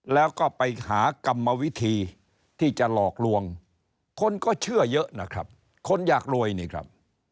แล้วก็ไปหากรรมวิธีที่จะหลอกลวงคนก็เชื่อเยอะนะครับคนอยากรวยนี่ครับ